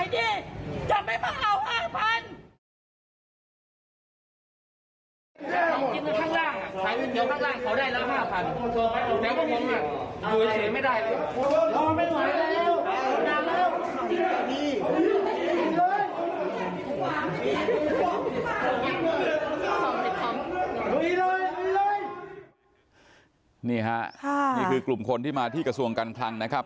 นี่ค่ะนี่คือกลุ่มคนที่มาที่กระทรวงการคลังนะครับ